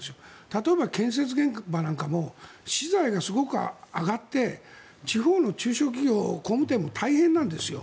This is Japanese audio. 例えば、建設現場なんかも資材がすごく上がって地方の中小企業、工務店も大変なんですよ。